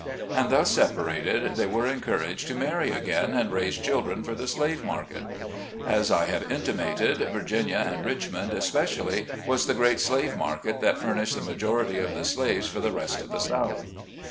And thus separated they were encouraged to marry again, and raise children for the slave market. As I have intimated, Vir ginia, and Richmond especially, was the great slave market that furnished the majority of the slaves for the rest of the South.